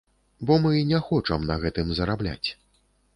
Бо мы не хочам на гэтым зарабляць.